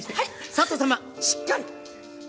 佐都さましっかり！